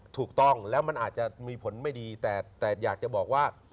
ถูกต้องแล้วมันอาจจะมีผลไม่ดีแต่อยากจะบอกว่า